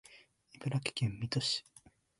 茨城県水戸市